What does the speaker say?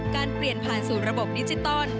การเปลี่ยนผ่านสู่ระบบดิจิตอล